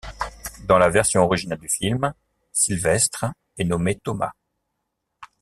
Dans la version originale du film, Sylvestre est nommé Thomas.